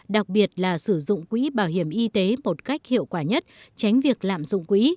đặc biệt là sử dụng quỹ bảo hiểm y tế một cách hiệu quả nhất tránh việc lạm dụng quỹ